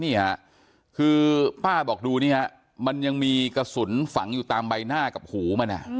นี่ค่ะคือป้าบอกดูนี่ฮะมันยังมีกระสุนฝังอยู่ตามใบหน้ากับหูมัน